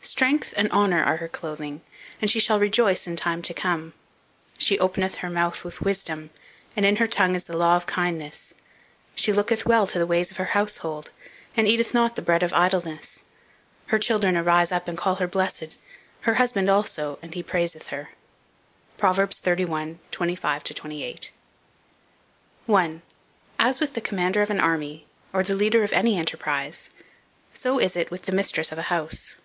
"Strength, and honour are her clothing; and she shall rejoice in time to come. She openeth her mouth with wisdom; and in her tongue is the law of kindness. She looketh well to the ways of her household; and eateth not the bread of idleness. Her children arise up, and call her blessed; her husband also, and he praiseth her." Proverbs, xxxi. 25 28. I. AS WITH THE COMMANDER OF AN ARMY, or the leader of any enterprise, so is it with the mistress of a house.